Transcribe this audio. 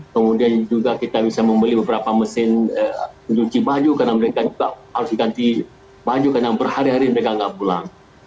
kemudian juga kita bisa membeli beberapa mesin pencuci baju karena mereka juga harus diganti baju karena berhari hari mereka nggak pulang